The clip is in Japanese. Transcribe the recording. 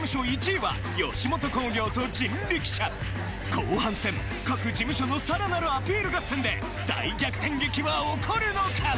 １位は吉本興業と人力舎後半戦各事務所の更なるアピール合戦で大逆転劇はおこるのか！？